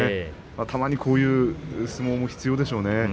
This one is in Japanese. たまに、こういう相撲も必要でしょうね。